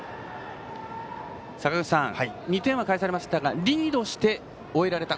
坂口さん、２点は返されましたがリードして終えられた。